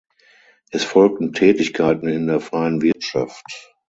Es folgten Tätigkeiten in der freien Wirtschaft.